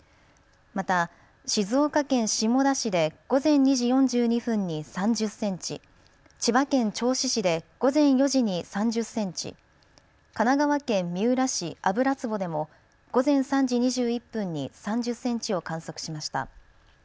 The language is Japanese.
また、静岡県下田市で午前２時４２分に３０センチ、千葉県銚子市で午前４時に３０センチ、神奈川県三浦市油壺でも午前３時２１分に３０センチを観測しました。